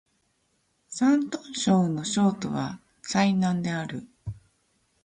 山東省の省都は済南である